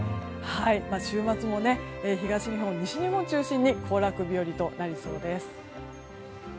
週末も東日本、西日本中心に行楽日和となりそうです。